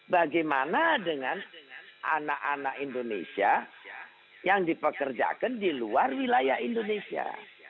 bagaimana dengan anak anak indonesia yang dipekerjakan di luar wilayah indonesia